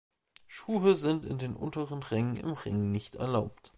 Schuhe sind den unteren Rängen im Ring nicht erlaubt.